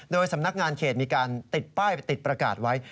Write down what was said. โดยสำนักงานเขตมีการติดป้ายไปติดประกาศไว้